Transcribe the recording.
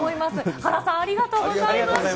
ハラさん、ありがとうございました。